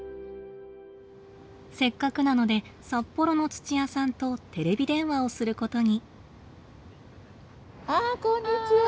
せっかくなので札幌の土屋さんとテレビ電話をすることに。